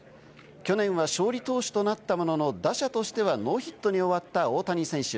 去年は勝利投手となったものの打者としてはノーヒットに終わった大谷選手。